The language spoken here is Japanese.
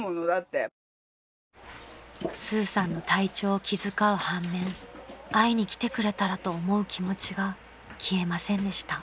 ［スーさんの体調を気遣う半面会いに来てくれたらと思う気持ちが消えませんでした］